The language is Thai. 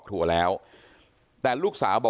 ไม่ตั้งใจครับ